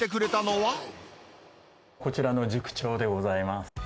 こちらの塾長でございます。